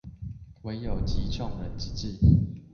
唯有集眾人之智